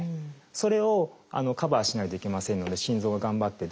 それをカバーしないといけませんので心臓が頑張ってドキドキする。